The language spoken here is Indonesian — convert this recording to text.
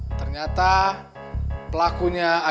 semuanya udah terima garden suka